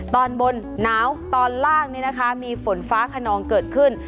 ตอนบนหนาวตอนล่างนี้นะคะมีฝนฟ้าขนองเกิดขึ้น